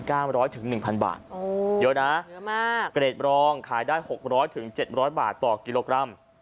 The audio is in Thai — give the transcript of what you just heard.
ร้อยถึงหนึ่งพันบาทโอ้เยอะนะเยอะมากเกรดรองขายได้หกร้อยถึงเจ็ดร้อยบาทต่อกิโลกรัม